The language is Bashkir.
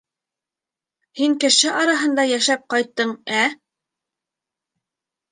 Һин кеше араһында йәшәп ҡайттың, ә...